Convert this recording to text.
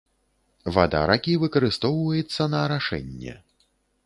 Вада ракі выкарыстоўваецца на арашэнне.